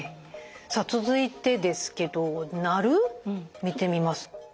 さあ続いてですけど「鳴る」見てみます。